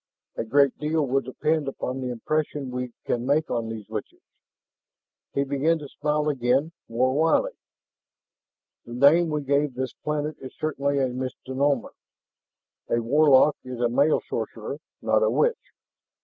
A great deal will depend upon the impression we can make on these witches." He began to smile again, more wryly. "The name we gave this planet is certainly a misnomer. A warlock is a male sorcerer, not a witch."